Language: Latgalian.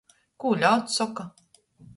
Kū ļauds soka?